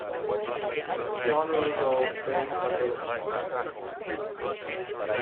Paciano Rizal, Bay, Laguna.